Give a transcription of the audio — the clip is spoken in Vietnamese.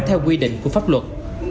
theo quy định của pháp luật